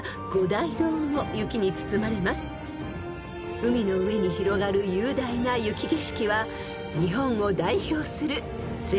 ［海の上に広がる雄大な雪景色は日本を代表する絶景です］